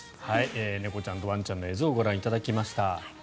猫ちゃんとワンちゃんの映像ご覧いただきました。